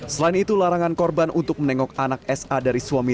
selain itu larangan korban untuk menengok anak sa dari suami